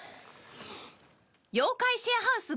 『妖怪シェアハウス』